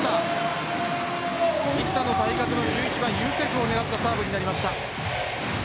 イッサの対角の１１番のユセフを狙ったサーブになりました。